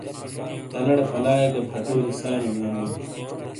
تَلاڑے فَلائیے گہ فٹوریئے ساریئے ویونی بِیں۔